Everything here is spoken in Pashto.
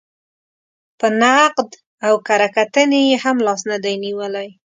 په نقد او کره کتنې یې هم لاس نه دی نېولی.